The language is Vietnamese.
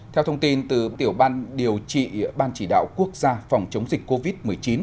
theo thông tin từ tiểu ban điều trị ban chỉ đạo quốc gia phòng chống dịch covid một mươi chín